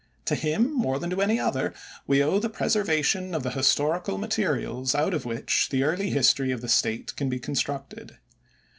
To him, more than to any other, we owe the preservation of the historical materials out of which the early history of the State can be constructed.